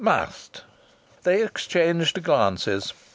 "Must!" They exchanged glances.